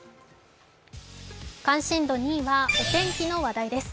関心度２位はお天気の話題です。